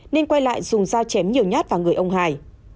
nên quay lại dùng dao chém nhiều nhát vào người ông hải